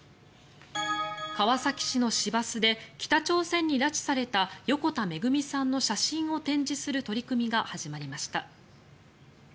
川崎市の市バスで北朝鮮に拉致された横田めぐみさんの写真を展示する取り組みが始まりました。